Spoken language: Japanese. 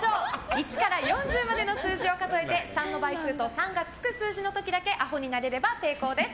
１から４０までの数字を数えて３の倍数と３がつく数字の時だけアホになれれば成功です。